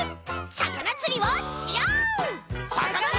さかなつりをしよう！